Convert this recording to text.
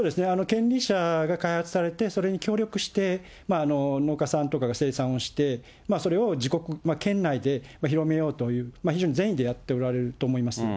権利者が開発されて、それに協力して、農家さんとかが生産をして、それを自国、県内で広めようという、非常に善意でやっておられると思います。